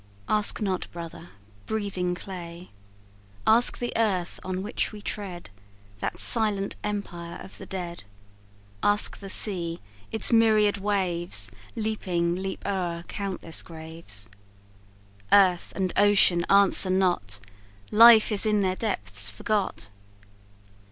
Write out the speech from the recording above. "Ask not, brother, breathing clay. Ask the earth on which we tread, That silent empire of the dead. Ask the sea its myriad waves, Living, leap o'er countless graves!" "Earth and ocean answer not, Life is in their depths forgot."